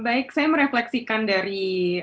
baik saya merefleksikan dari